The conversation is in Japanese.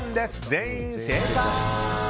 全員正解！